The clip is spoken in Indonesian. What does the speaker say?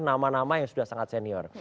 nama nama yang sudah sangat senior